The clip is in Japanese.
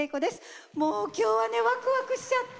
もう今日はねワクワクしちゃって！